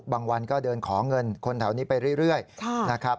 วันก็เดินขอเงินคนแถวนี้ไปเรื่อยนะครับ